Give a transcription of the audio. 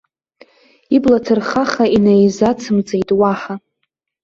Ибла ҭырхаха, инаизацымҵеит уаҳа.